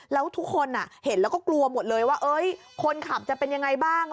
แล้วทุกคนเห็นแล้วก็กลัวหมดเลยว่าคนขับจะเป็นยังไงบ้าง